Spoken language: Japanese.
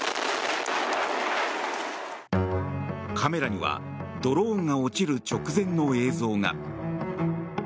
カメラにはドローンが落ちる直前の映像が。